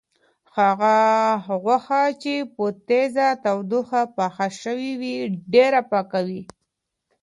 هغه غوښه چې په تیزه تودوخه پخه شوې وي، ډېره پاکه وي.